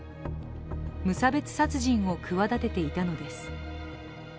無差別殺人を企てていたのです。